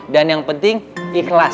dan yang penting ikhlas